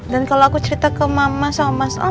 dan kalo aku cerita ke mama sama mas om